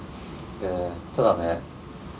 ただね